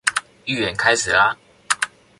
預演開始啦